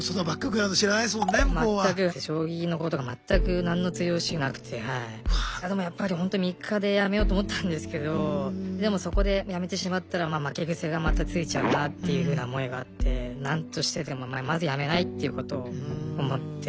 将棋のことが全く何も通用しなくてでもやっぱりほんと３日で辞めようと思ったんですけどでもそこで辞めてしまったら負け癖がまたついちゃうなって思いがあって何としてでもまず辞めないっていうことを思って。